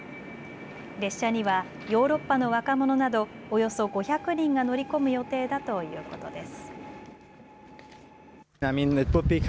列車にはヨーロッパの若者などおよそ５００人が乗り込む予定だということです。